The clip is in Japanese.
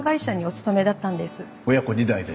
親子２代で。